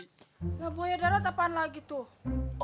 bukan buaya darip apaan lagi tuh